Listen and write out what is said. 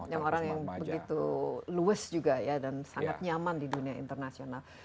yang orang yang begitu luas juga ya dan sangat nyaman di dunia internasional